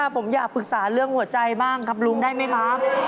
ผมอยากปรึกษาเรื่องหัวใจบ้างครับลุงได้ไหมครับ